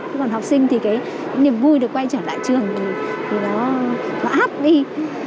còn học sinh thì cái niềm vui được quay trở lại trường thì nó hát đi